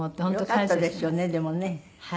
よかったですよねでもね。